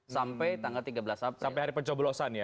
sampai tanggal tiga belas sampai hari pencoblosan ya